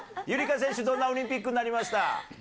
夕梨花選手、どんなオリンピックになりました？